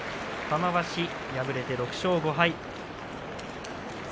玉鷲、敗れて６勝５敗。